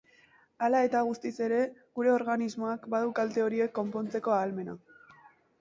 Hala eta guztiz ere, gure organismoak badu kalte horiek konpontzeko ahalmena.